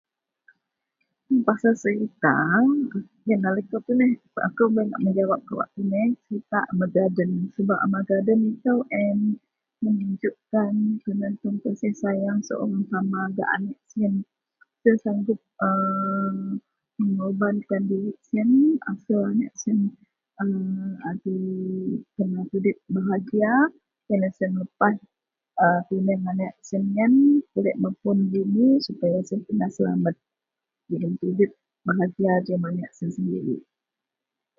Pasel serita iyenlah laei kou tuneh akou bei ngak mejawap kawak tuneh serita mejajem sebab a mejajem ito en menunjokkan penoh kasih sayang gak anek siyen, siyen sagup aaa mengorbankan dirik siyen atau anek siyen kena tudip bahagia, iyenlah tuneh siyen melepaih tuneng anek siyen iyen pulek mapun bumi supaya siyen kena selamet jegem tudip bahagia jegem anek siyen sendirik.